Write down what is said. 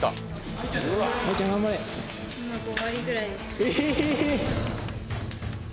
え！